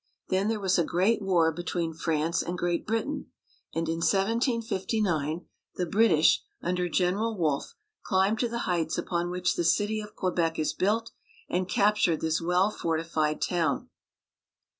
Then there was a great war between France and Great Britain, and in 1759 the British, under General Wolfe, climbed to the heights upon which the city of Quebec is built, and captured this well fortified town.